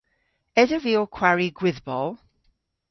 Esov vy ow kwari gwydhbol?